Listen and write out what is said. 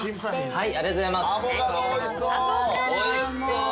はい。